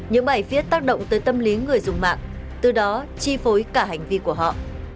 những bài viết tác động tới tâm lý người dùng mạng từ đó chi phối cả hành vi của họ